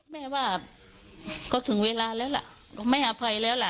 แม่ว่าก็ถึงเวลาแล้วล่ะก็ไม่อภัยแล้วล่ะ